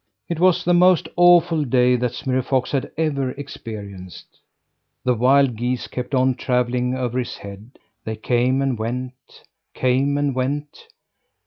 It was the most awful day that Smirre Fox had ever experienced. The wild geese kept on travelling over his head. They came and went came and went.